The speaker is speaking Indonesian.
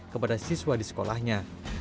kepada siswa di sekolahnya